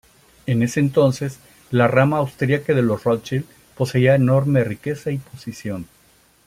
En ese entonces la rama austriaca de los Rothschild poseía enorme riqueza y posición.